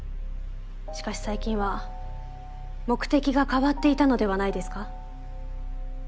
しかし最近は目的が変わっていたのではないですか？